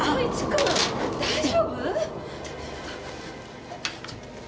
君大丈夫？